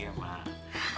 kalau puasa yang batal